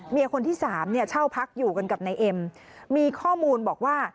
เมียคนที่๓เช่าพักอยู่กันกับในเอ็มมีข้อมูลบอกว่า